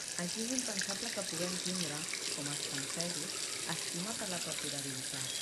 Així és impensable que puguem tindre, com els francesos, estima per la perdurabilitat.